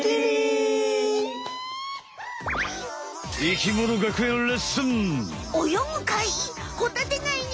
生きもの学園レッスン！